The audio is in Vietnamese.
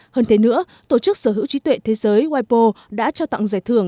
hơn thế nữa tổ chức sở hữu trí tuệ thế giới wipo đã trao tặng giải thưởng